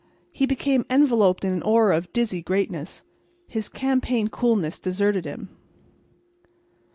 He became enveloped in the aura of dizzy greatness. His campaign coolness deserted him.